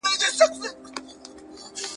پر سجده ورته پراته وای عالمونه ..